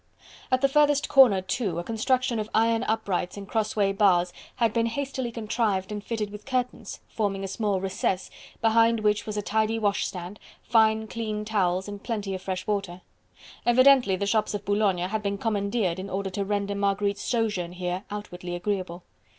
At the furthest corner, too, a construction of iron uprights and crossway bars had been hastily contrived and fitted with curtains, forming a small recess, behind which was a tidy washstand, fine clean towels and plenty of fresh water. Evidently the shops of Boulogne had been commandeered in order to render Marguerite's sojourn here outwardly agreeable.